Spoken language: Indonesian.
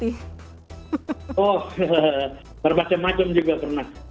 oh berbacem macem juga pernah